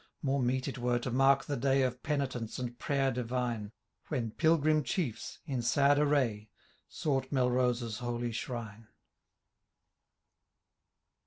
More meet it were to mark the day Of penitence and prayer divine. When pilgrim chiefs, in sad army. Sought Melrose* holy shrine.